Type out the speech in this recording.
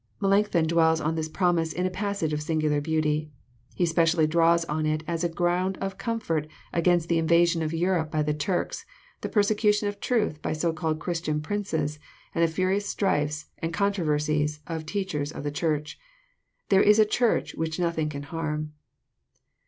Melancthon dwells on this promise In a passage of singular beauty. He specially dwells on it as a ground of comfort against the invasion of Europe by the Turks, the persecntlon of truth by so called Christian princes, and the flirious strifes and controversies of teachers of the Church. There is a Church which nothing can barm.